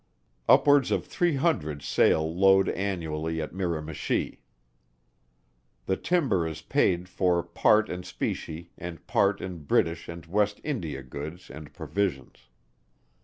Upwards of three hundred sail load annually at Miramichi. The timber is paid for part in specie, and part in British and West India goods and provisions.